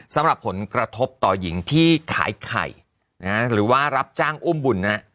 สำหรับผลกระทบต่อหญิงที่ขายไข่หรือว่ารับจ้างอุ้มบุญนะ